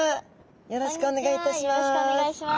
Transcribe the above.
よろしくお願いします。